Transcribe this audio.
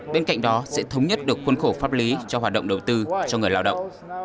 bên cạnh đó sẽ thống nhất được khuôn khổ pháp lý cho hoạt động đầu tư cho người lao động